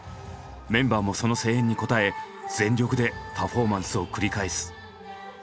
メンバーもその声援に応え全力でパフォーマンスを繰り返す。